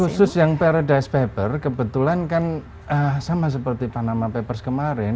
khusus yang paradise paper kebetulan kan sama seperti panama papers kemarin